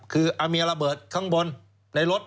คือมีระเบิดข้างบนในรถ